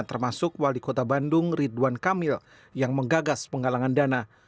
termasuk wali kota bandung ridwan kamil yang menggagas penggalangan dana